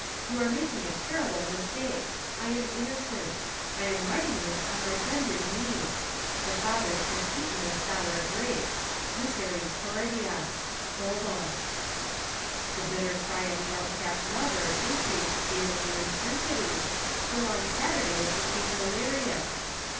You are making a terrible mistake. I am innocent. I am writing this on my bended knees. The fathers have eaten a sour grape. Misericordia. BOBO.' "The bitter cry of the outcast lover increased daily in intensity, till on Saturday it became delirious.